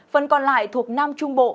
phần còn lại thuộc nam trung bộ